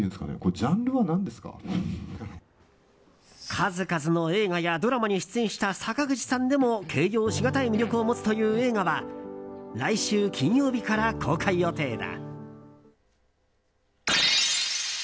数々の映画やドラマに出演した坂口さんでも形容しがたい魅力を持つという映画は来週金曜日から公開予定だ。